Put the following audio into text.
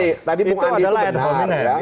itu adalah ad hominem